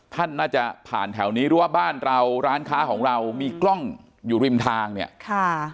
ท่านน่าจะผ่านแถวนี้หรือว่าบ้านเราร้านค้าของเรามีกล้องอยู่ริมทางเนี่ยค่ะ